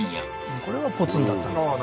これはポツンだったんですけどね